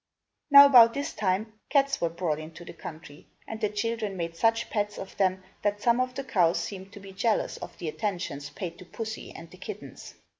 Now about this time, cats were brought into the country and the children made such pets of them that some of the cows seemed to be jealous of the attentions paid to Pussy and the kittens.